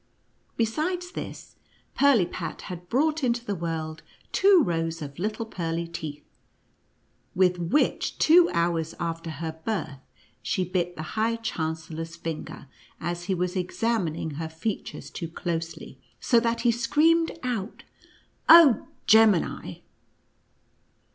Besides this, Pirlipat had brought into the world two rows of little pearly teeth, with which two hours after her birth, she bit the high chancellor's finger, as he was examining her features too closely, so that he screamed out, " Oh, Gemini